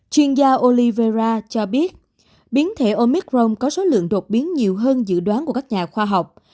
chuyên gia olivera cho biết biến thể omicron có số lượng đột biến nhiều hơn dự đoán của các nhà khoa học